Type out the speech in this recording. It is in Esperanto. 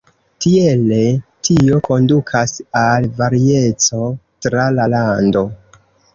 Tiele, tio kondukas al varieco tra la lando.